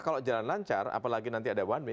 kalau jalan lancar apalagi nanti ada one way